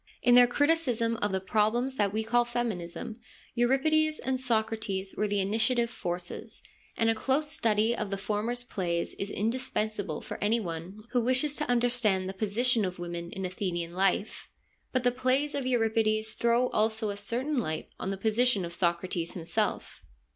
In their criticism of the problems that we call feminism Euripides and Socrates were the initiative forces, and a close study of the former's plays is indispensable for any one who wishes to under stand the position of women in Athenian life. But the plays of Euripides throw also a certain light on the position of Socrates himself.